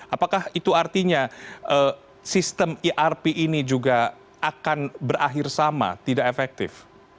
apakah itu artinya sistem irp ini juga akan berakhir sama tidak efektif